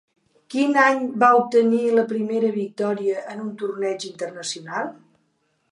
Quin any va obtenir la primera victòria en un torneig internacional?